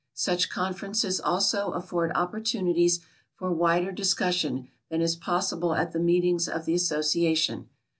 Such conferences also afford opportunities for wider discussion than is possible at the meetings of the association.